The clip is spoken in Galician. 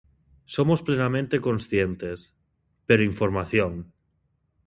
Somos plenamente conscientes, pero información.